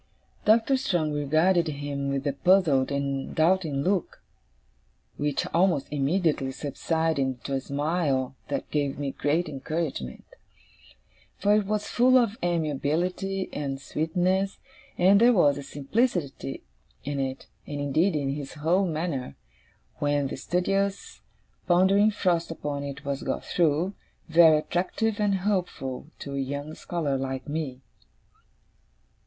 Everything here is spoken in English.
Doctor Strong regarded him with a puzzled and doubting look, which almost immediately subsided into a smile that gave me great encouragement; for it was full of amiability and sweetness, and there was a simplicity in it, and indeed in his whole manner, when the studious, pondering frost upon it was got through, very attractive and hopeful to a young scholar like me.